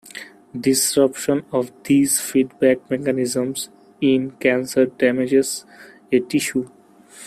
Disruption of these feedback mechanisms in cancer damages a tissue.